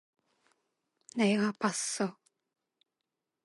내가 봤어.